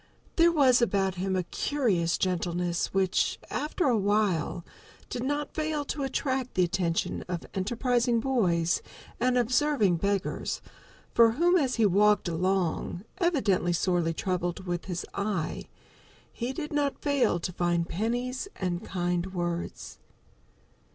There was about him a curious gentleness which, after a while, did not fail to attract the attention of enterprising boys and observing beggars, for whom, as he walked along, evidently sorely troubled with his eye, he did not fail to find pennies and kind words.